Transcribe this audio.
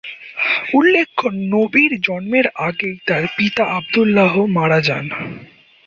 উল্লেখ্য নবীর জন্মের আগেই তার পিতা আবদুল্লাহ মারা যান।